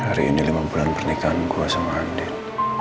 hari ini lima bulan pernikahan gue sama andil